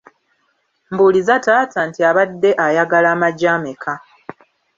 Mbuuliza taata nti abadde ayagala amagi ameka?